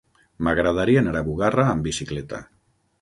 M'agradaria anar a Bugarra amb bicicleta.